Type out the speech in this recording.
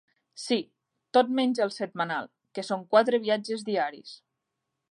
Sí, tots menys el setmanal, que són quatre viatges diaris.